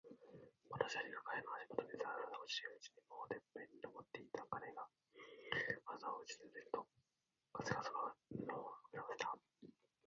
まだ砂利が彼の足もとにざらざら落ちているうちに、もうてっぺんに登っていた。彼が旗を打ち立てると、風がその布をふくらませた。